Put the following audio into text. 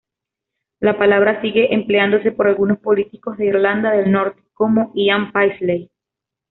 La palabra sigue empleándose por algunos políticos de Irlanda del Norte, como Ian Paisley.